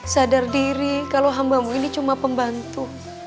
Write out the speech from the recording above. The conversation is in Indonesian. sadar diri kalau hambamu ini cuma pembantu